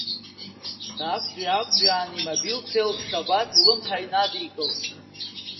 Даақәҵәиаақәҵәиаан, имабилтә ҭел Шьабаҭ илымҳа инадикылеит.